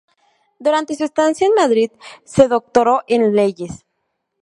Durante su estancia en Madrid se doctoró en Leyes.